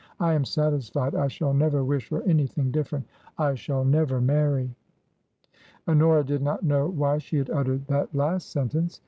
I am satisfied. I shall never wish for anything different. I shall never marry. ^^ Honora did not know why she had uttered that last TRANSITION. 327 sentence.